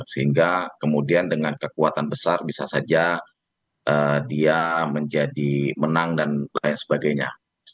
sehingga kemudian dengan kekuatan besar bisa saja dia menjadi menang dan lain sebagainya